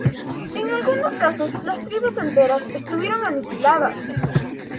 En algunos casos, las tribus enteras estuvieron aniquiladas.